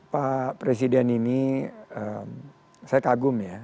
pak presiden ini saya kagum ya